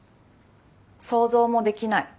想像もできない。